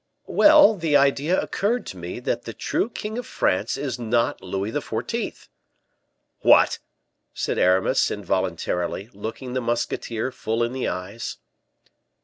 "Well, the idea occurred to me, that the true king of France is not Louis XIV." "What!" said Aramis, involuntarily, looking the musketeer full in the eyes.